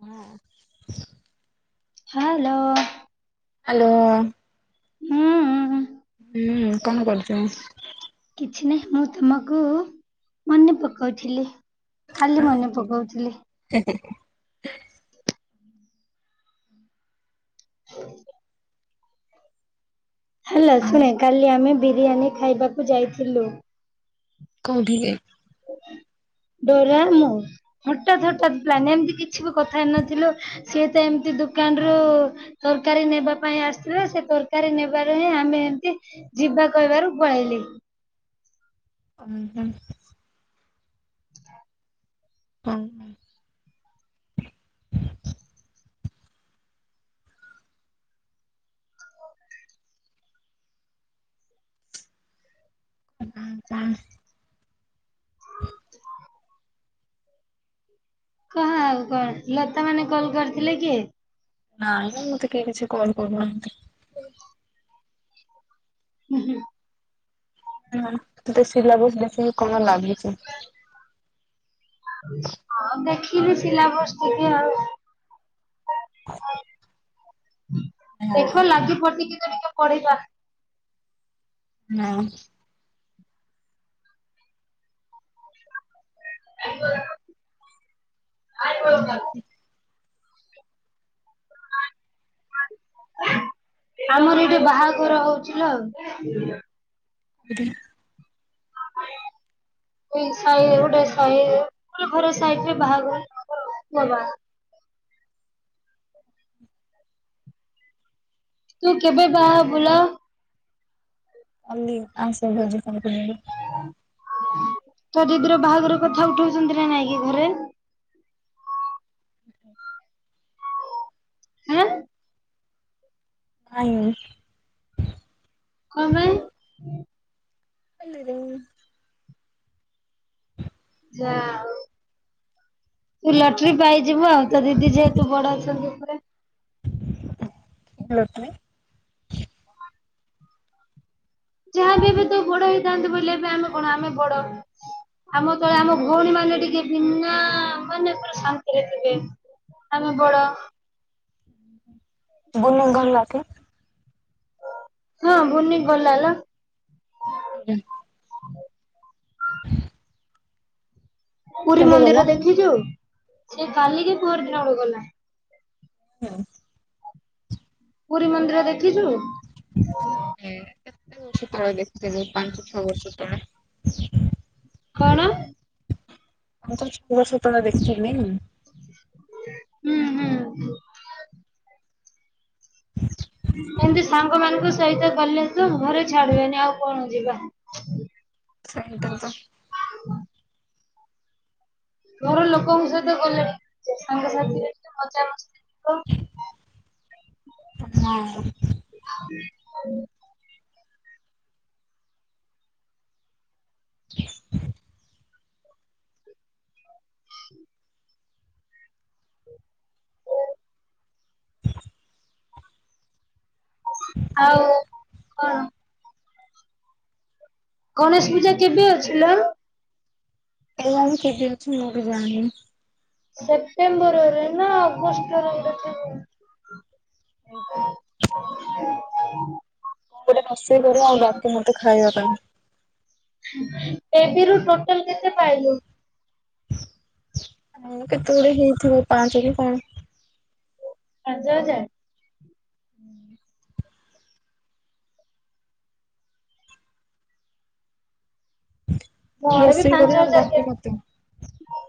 ହୁଁ। ହ୍ୟାଲୋ ହୁଁ। ହୁଁ କଣ କରୁଛ? କିଛି ନାହିଁ ମୁଁ ତମକୁ ମନେ ପକଉଥିଲି। କାଲି ମନେ ପକଉଥିଲି। ଆ ହୁଁ ହେଲା ଆଉ ଶୁଣେ କାଲି ଆମେ ବିରିୟାନୀ ଖାଇବାକୁ ଯାଇଥିଲୁ। କଉଁଠିକି? ଡୋରା ମୁଁ ହଠାତ୍ ହଠାତ୍ ପ୍ଲାନି ଏମିତି କିଛି ବି କଥା ହେଇନଥିଲୁ ସିଏ ତ ଏମିତି ଦୋକାନରୁ ତରକାରୀ ନେବା ପାଇଁ ଆସିଥିଲା ସେ ତରକାରୀ ନେବାରୁ ହିଁ ଆମେ ଏମତି ଯିବା କହିବାରୁ ପଳେଇଲେ। ଉୁଁ ହୁଁ। [inaudible] କଉନା। ହଁ ହ [unintelligible] କହ ଆଉ କଣ ଲତା ମାନେ କଲ କରିଥିଲେ କି? ନାଇଁ ମୁଁ ମତେ କେହି କିଛି କଲ୍ କରୁନାହାନ୍ତି। ହୁଁ ହୁଁ। ହଁ ତୁ ତ ସିଲାବସ ଦେଖିକି କଣ ଲାଗୁଛି? ହ ଦେଖିବି ସିଲା ବସ୍ ଟିକେ ଆଉ। ହ ଦେଖିବା ଲାଗି ପାଟି ଟିକେ ଟିକେ କଡେଇବା। ନାହିଁ। [inaudible] [unintelligible] ଆମର ଏଠି ବାହାଘର ହଉଛି ଲୋ। [inaudible] ଏଇ ସାହିରେ ଗୋଟେ ସାହି ଘରେ ସାଇଟରେ ବାହାଘର ବାବା [unintelligible] ତୁ କେବେ ବାହା ହବୁଲୋ? କାଲି ଆସେ ଭୋଜି ଖାଇବା ତୋ ଦିଦିର ବାହାଘର କଥା ଉଠଉଛନ୍ତି ନା ନାଇଁ କିି ଘରେ? ହ [inaudible] ହଁ। ନାଇଁ। କଣ ପାଇଁ? ହେଲରେ [unintelligible] ଯା ହଉ। ତୁ ଲଟରୀ ପାଇଯିବୁ ଆଉ ତ ଦିଦି ଯେହେତୁ ବଡ ଅଛନ୍ତି ଉପରେ। କେତେ ଲଟ୍ରି? ଯାହା ବି ଏବେ ତୁ ବଡ ହେଇଥାନ୍ତୁ ବୋଇଲେ ଆମେ କଣ ଆମେ ବଡ ଆମର ତ ଆମ ଭଉଣୀ ମାନେ ଟିକେ ବିନା ମାନେ ପୁରା ଶାନ୍ତିରେ ଥିବେ। ଆମେ ବଡ। ହୁଁ ହୁଁ [inaudible] ବୁନି ଗଲାକି? [unintelligible] ହଁ ଭୁନି ଗଲାଲୋ। ହୁଁ। ପୁରୀ କେବେ ଗଲା? ମନ୍ଦିର ଦେଖିଛୁ? ସେ କାଲିକି ପହର୍ ଦିନଠୁ ଗଲାଣି। ହୁଁ [unintelligible] ପୁରୀ ମନ୍ଦିର ଦେଖିଛୁ? ଏ [unintelligible] ବହୁତ ବର୍ଷ ତଳେ ଦେଖିଥିଲି ପାଞ୍ଚ ଛଅ ବର୍ଷ ତଳେ। କଣ? ମୁଁ କହିଲି ଛଅ ବର୍ଷ ତଳେ ଦେଖଛିନି ହୁଁ ହୁଁ। [inaudible] ଏମତି ସାଙ୍ଗ ମାନଙ୍କ ସହିତ ଗଲେ ତୁ ଘରେ ଛାଡିବେନି ଆଉ କଣ ଯିବା। ସେଇ ତ କଥା ଘର ଲୋକଙ୍କ ସହିତ ଗଲେ ବି ସାଙ୍ଗ ସାଥିରେ ମଜା ମସ୍ତି [inaudible] [inaudible] ନାଇଁ। ହୁଁ। [inaudible] [inaudible] ଆଉ କଣ? ଗଣେଶ ପୂଜା କେବେ ଅଛି ଲୋ? କେଜାଣି କେବେ ଅଛି ମୁଁ ବି ଜାଣିନି। ସେପ୍ଟେମ୍ବରରେ ନା ଅଗଷ୍ଟ ରେ ବୋଧେ ଥିବ। କଣ [inaudible] ମୁଁ ଗୋଟେ ରୋଷେଇ କରିବା ଆଉ ବାକି ମତେ ଖାଇବା ପାଇଁ ଏଫ୍ ଡି ରୁ ଟୋଟାଲ କେତେ ପାଇଲୁ? ହଁ କେତେ ଗୁଡେ ହେଇଥିବ ପାଞ୍ଚ କି କଣ। ପାଞ୍ଚ ହଜାର? [unintelligible] ମୋର ବି ରୋଷେଇ ପାଞ୍ଚ କରିବା ଆଉ ହଜାର ଡାକେ ମତେ। କେତେ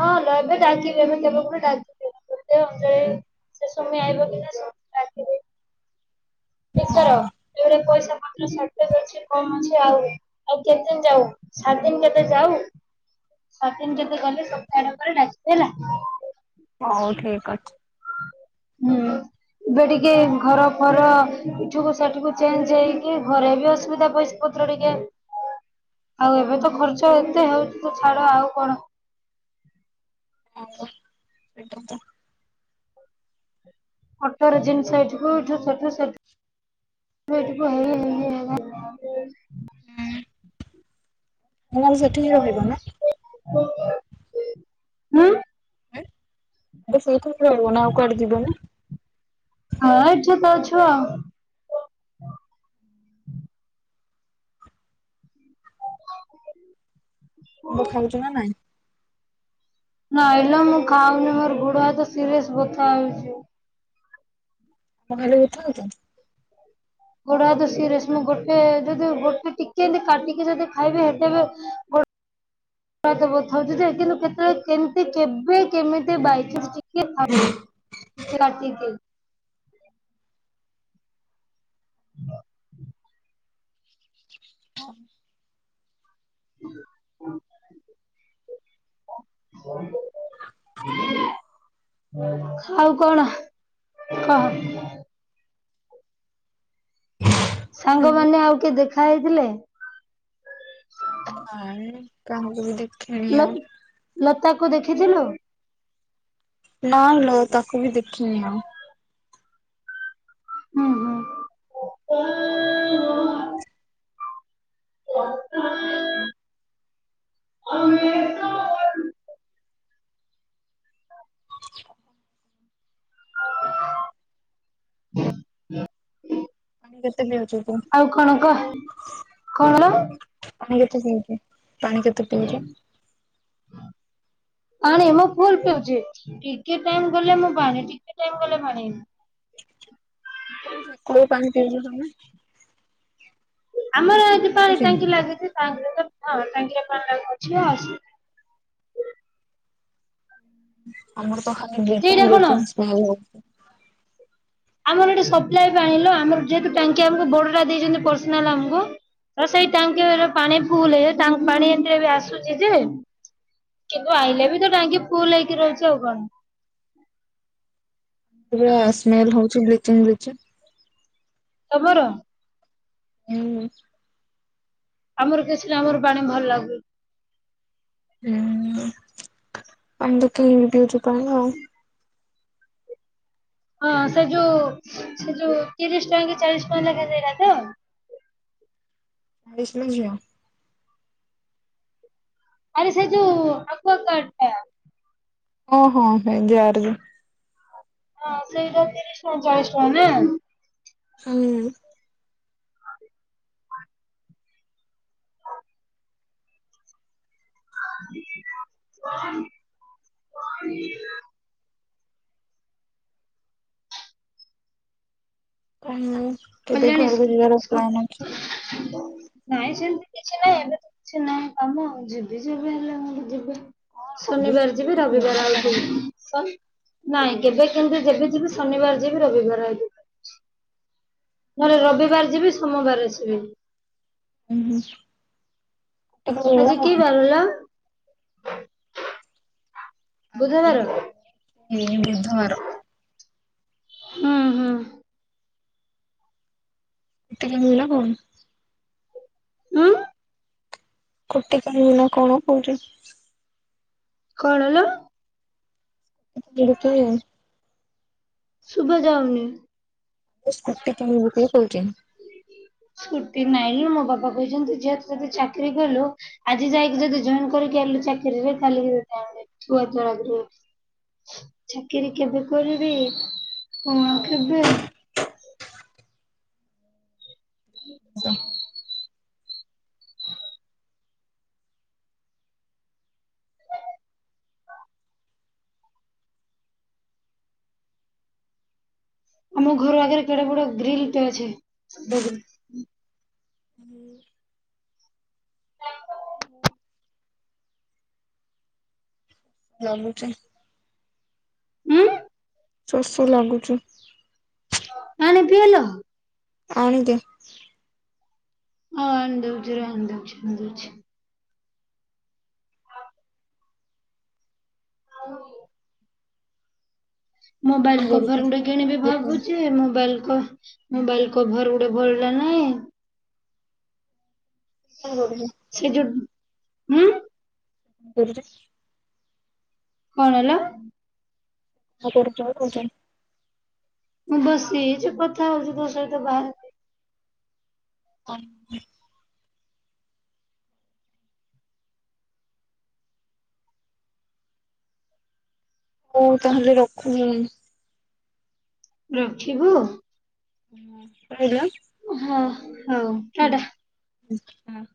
ହଁ ଏବେ ଡାକିବେ ଏବେ କେବେଗୁଟେ ଡାକିବେ। ଗୋଟେ ଅନୁଯାୟୀ ସେ ସମୟ ଆଇିବ ଦିନେ ସବୁ ର ପଇସା ପତ୍ର ସର୍ଟେଜ୍ ଅଛି କମ ଅଛି ଆହୁରି ଆଉ କେତେ ଦିନ ଯାଉ ସାତ ଦିନ କେତେ ଯାଉ ସାତ ଦିନ କେତେ ଗଲେ ସପ୍ତାହେ ଆଡ ପରେ ଡାକିବି ହେଲା। ହଉ ଠିକ ଅଛି। ହୁଁ। ଏବେ ଟିକେ ଘର ଫର ଏଠିକୁ ସେଠିକୁ ଚେଞ୍ଜ ହେଇକି ଘରେ ବି ଅସୁବିଧା ପଇସା ପତ୍ର ଟିକେ। [unintelligible] ଆଉ ଏବେ ତ ଖର୍ଚ୍ଚ ଏତେ ହଉଛି ଛାଡ ଆଉ କଣ ଆଜ୍ଞା [unintelligible] ଅଟୋ ରେ ଜିନିଷ ଏଠୁକୁ ଏଠୁ ସେଠୁ ସେଠ ଏଠକୁ ହେଇ ହେଇ ହଇରାଣ ତମମାନେ ସେଠି ରହିବ ନା? ହୁଁ? ଏବେ ସେଇଠି ରହିବ ନା ଆଉ କୁଆଡେ ଯିବ ନା? ହଁ ଏଇଠି ତ ଅଛୁ ଆଉ [unintelligible] [unintelligible] ବେ ଖାଇଚୁ ନା ନାଇଁ? ନାଇଲୋ ମୁଁ ଖାଉନି ମୋର ଗୋଡ ହାତ ସିରିୟସ ବଥା ହଉଛି। କଣ ଖାଲି ବଥା ହଉଚୁ? ଗୋଡ ହାତ ସିରିୟସଲି ଗୋଟେ ଯଦି ଗୋଟେ ଟିକେ ବି କାଟିକି ଯଦି ଖାଇବି ଏତେ ବି [unintelligible] ଗୋଡ ହାତା ବଥା ହଉଚି ଯେ କିନ୍ତୁ କେତେବେଳେ କେମତି କେବେ କେମିତି ବାଇଚାନ୍ସ ଠିକ୍ ଅଛି ଟିକେ ଡାକିକି [unintelligible] [unintelligible] [unintelligible] ଆଉ କଣ କହ। ହୁଁ ସାଙ୍ଗମାନେ ଆଉ କିଏ ଦେଖା ହେଇଥିଲେ? ନାଇ କାହାକୁ ବି ଦେ ଲ ଲତା କୁ ଦେଖିଥିଲୁ? ନା ଲୋ ତାକୁ ବି ଦେଖିନି ଆଉ। ହୁଁ ହୁଁ। [unintelligible] [unintelligible] ପାଣି କେତେ ପିଉଛୁ ତୁ? ଆଉ କଣ କ କଣ? ପାଣି କେତେ ପିଉଚ? ପାଣି କେତେ ପିଉଚ? ପାଣି ମୁଁ ଫୁଲ ପିଉଚି ଟିକେ ଟାଇମ ଗଲେ ମୁଁ ପାଣି ଟିକେ ଟାଇମ ଗଲେ ପାଣିି। କୋଉ ପାଣି ପିଉଚ ତମେ? ଆମର ଆ ଯାହା ଯି ପାଣି ଆସୁଛି? ଟାଙ୍କି ଲାଗୁଚି ହଁ ଟାଙ୍କିରେ ପାଣି ଅଛି ଆସୁ ଆମର ତ ଖାଲି ବ୍ଲିଚିଂ ସେଇଟା କଣ ବ୍ଲିଚିଂ ସ୍ମେଲ ହଉଚି। ଆମର ଏଠି ସପ୍ଲାଏ ପାଣି ଲୋ ଆମର ଯେହେତୁ ଟାଙ୍କି ଆମକୁ ବଡଟା ଦେଇଚନ୍ତି ପର୍ସନାଲ ଆମକୁ ହ ସେଇ ଟାଙ୍କେ ପାଣି ଫୁଲୁ ହେଇଯାଏ ଟାଙ୍କି ପାଣି ଏମିତିରେ ବି ଆସୁଛି ଯେ କିନ୍ତୁ ଆଇଲେ ବି ତ ଟାଙ୍କି ଫୁଲ ହେଇକି ରହୁଚି ଆଉ କଣ। ପୁରା ସ୍ମେଲ ହଉଛି ବ୍ଲିଚିଂ ବ୍ଲିଚିଂ। ତମର? ହୁଁ। ଆମର କିଛି ନା ଆମର ପାଣି ଭଲ ଲାଗୁ। ହୁଁ ହୁଁ ଅଣ୍ଡ [unintelligible] ଦଉଚି ପାଣି। ହଁ ସେ ଯୋଉ ସେ ଯୋଉ ତିରିଶ ଟଙ୍କା କି ଚାଳିଶ ଟଙ୍କା ଲେଖା ସେଇଟା ତ। [unintelligible] ନା ଝିଅ। ଆରେ ସେ ଯୋଉ ଏକ୍ୱାଗାର୍ଡ ଟା। ଓହୋ ହେଇ [unintelligible] ହଁ ସେଇଟା ତିରିଶ ଟଙ୍କା ଚାଳିଶ ଟଙ୍କା ନା। ହଁ। [unintelligible] [unintelligible] କାହିଁ ମୁଁ କେବେ କଲ୍ୟାଣୀ ଘରକୁ ସ୍କୁ ଯିବାର ସ୍କୁ- ପ୍ଲନ୍ ଅଛି। ନାଇଁ ସେମିତି କିଛି ନାଇ ଏବେ ତ କିଛି ନାଇ କାମ ଯିବି ଯିବି ହେଲେ [unintelligible] ଯିବି। କଣ କହୁଛୁ ଶନିବାର ସ୍କୁଟି ଯିବି କିଣିବୁ ନା ରବିବାର କଣ? ଆଉଥିବି। ନାଇଁ କେବେ କିନ୍ତୁ ଯେବେ ଯିବି ଶନିବାର ଯିବି ରବିବାର ଆଇବୀ। ପୁଣି ରବିବାର ଯିବି ସୋମବାର ଆସିବି। ଉଁ ହୁଁ। ଆଜି କି ବାର ଲୋ? ଆଜି ବୁଧବାର ଏଇ ବୁଧବାର। ହଁ ହଁ। ଏଟେ [unintelligible] କଉନୁ। ହଁ। କୁଟି କିଣିବୁ ନା କଣ କହୁଚି। କଣ ଲୋ? [unintelligible] କିଣିବୁ। ଶୁଭା ଯାଉନି। ଏ ସ୍କୁଟି କିଣିବୁ କି କହୁଛି। ସ୍କୁଟି ନାଇଁ ଲୋ ମୋ ବାପା କହିଛନ୍ତି ଝିଅ ତୁ ଯଦି ଚାକିରି କଲୁ ଆଜି ଯାଇକି ଯଦି ଜଏନ କରିକି ଆଇଲୁ ଚାକିରିରେ ତାହେଲେ [unintelligible] ଚାକିରୀ କେବେ କରିବି କଣ କେବେ। [inaudible] ଆମ ଘର ଆଗେରେ କେଡେ ବଡେ ଗ୍ରିଲ୍ ଟା ଅଛେ ଏବେ ବି। ହୁଁ [unintelligible] [unintelligible] ଉମ୍। ଶୋଷ ଲାଗୁଚି। ପାଣି ପିଇଲ? ଆଣିଦେ। ହଁ ଆଣି ଦଉଛିର ଆଣି ଦଉଛି ଆଣିଦଉଛି। ହଉ। ମୋବାଇଲ କଣ କଭର ଗୋଟେ କିଣିବି ଭାବୁଚି ମୋବାଇଲ କ ମୋବାଇଲ କଭର ଗୋଟେ ଭଲଟେ ନାଇଁ। [inaudible] ସେ ଯୋଉ ହୁଁ। [unintelligible] କଣ ହେଲା? ନ କର ଯାଉନୁ ନଯାଉନୁ। ବସି ହେଇଚୁ କଥା ହଉଛି ତୋ ସହିତ ବାହାରେ। [inaudible] ହଉ ତାହେଲେ ରଖୁନି ମୁଁ। ରଖିବ? [inaudible] ହଁ ହଉ। ଟାଟା। ହୁଁ ଆ।